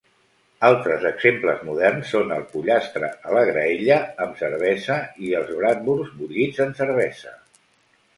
Altres exemples moderns són el pollastre a la graella amb cervesa i els bratwursts bullits en cervesa.